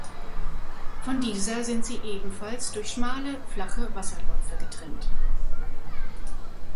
Von dieser sind sie ebenfalls durch schmale, flache Wasserläufe getrennt.